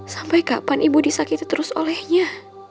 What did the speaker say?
sampai kapan ibu disakiti terus olehnya